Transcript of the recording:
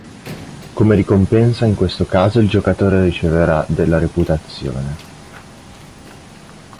Come ricompensa in questo caso il giocatore riceverà della reputazione.